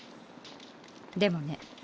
でもね